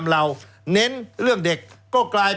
แล้วเขาก็ใช้วิธีการเหมือนกับในการ์ตูน